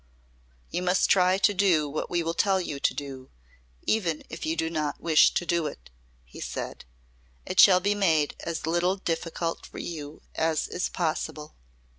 "You must try to do what we tell you to do even if you do not wish to do it," he said. "It shall be made as little difficult for you as is possible."